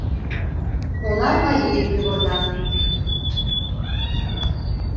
Онар марий дек пӱгырна